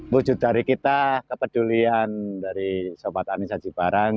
wujud dari kita kepedulian dari sobat anis aji barang